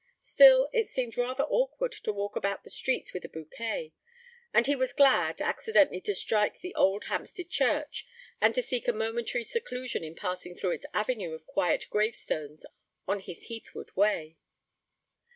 Still, it seemed rather awkward to walk about the streets with a bouquet, and he was glad, accidentally to strike the old Hampstead Church, and to seek a momentary seclusion in passing through its avenue of quiet gravestones on his heathward way.